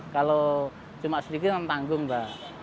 kalau cuma sedikit memang tanggung mbak